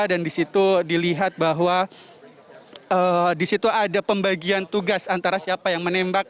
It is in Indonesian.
dan di situ dilihat bahwa di situ ada pembagian tugas antara siapa yang menembak